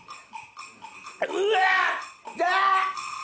うわっ！